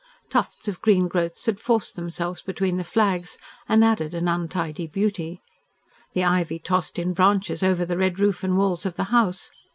Tufts of green growths had forced themselves between the flags, and added an untidy beauty. The ivy tossed in branches over the red roof and walls of the house.